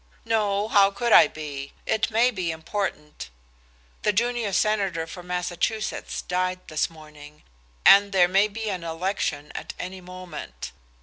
"No how could I be? It may be important. The junior senator for Massachusetts died this morning, and there may be an election at any moment.